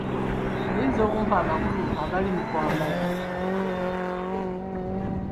Oyinza okumpa amakulu agali mu kwambala?